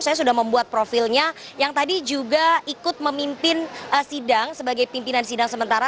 saya sudah membuat profilnya yang tadi juga ikut memimpin sidang sebagai pimpinan sidang sementara